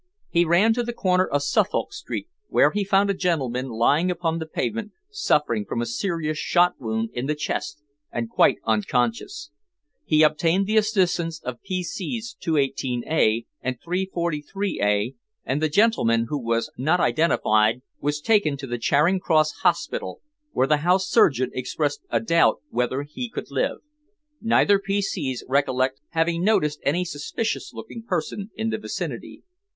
He ran to the corner of Suffolk Street, where he found a gentleman lying upon the pavement suffering from a serious shot wound in the chest and quite unconscious. He obtained the assistance of P.C.'s 218A and 343A, and the gentleman, who was not identified, was taken to the Charing Cross Hospital, where the house surgeon expressed a doubt whether he could live. Neither P.C.'s recollect having noticed any suspicious looking person in the vicinity.